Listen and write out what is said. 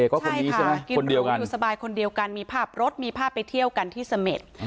ใช่ค่ะกินเรียวกันอยู่สบายคนเดียวกันมีภาพรถมีภาพไปเที่ยวกันที่เสม็ด